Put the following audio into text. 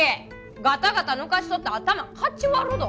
ガタガタ抜かしとったら頭かち割るど！